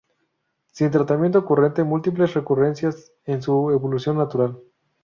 Sin tratamiento ocurren múltiples recurrencias en su evolución natural.